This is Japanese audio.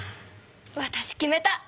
わたし決めた！